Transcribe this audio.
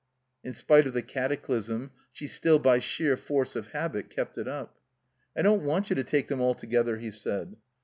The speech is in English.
In spite of the cataclysm, she still by sheer force of habit kept it up. "I don't want you to take them altogether," he said.